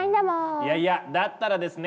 いやいやだったらですね